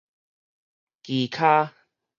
奇跤